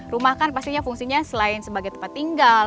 rumah kan pastinya fungsinya selain sebagai tempat tinggal